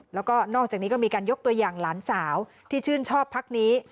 แล้วก็นอกจากนี้ก็มีการยกตัวอย่างหลานสาวที่ชื่นชอบพักนี้